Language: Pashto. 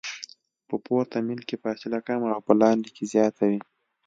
په پورته میل کې فاصله کمه او په لاندې کې زیاته وي